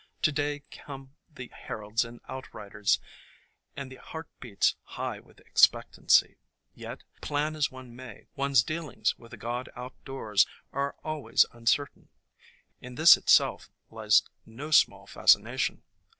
To day come the heralds and outriders and the heart beats high with expectancy, yet, plan as one may, one's dealings with the god Outdoors are always uncer tain. In this itself lies no small fascination.